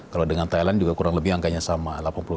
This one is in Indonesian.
kalau dengan thailand juga kurang lebih angkanya sama